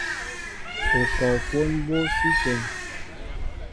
U kɔɔ kwón mbǒ sʉ́ ítə́ŋ?